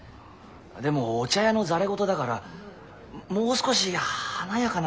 でもお茶屋のざれ言だからもう少し華やかな振りにしたいんです。